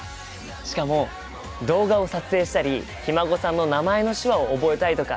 しかも動画を撮影したりひ孫さんの名前の手話を覚えたいとかすごいよね。